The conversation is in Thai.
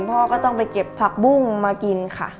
พ่อก็ต้องไปเก็บผักบุ้งมากินค่ะ